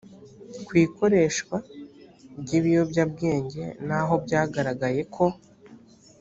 ku ikoreshwa ry ibiyobyabwenge naho byagaragaye ko